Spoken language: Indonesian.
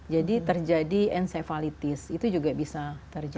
jadi terjadi encephalitis itu juga bisa terjadi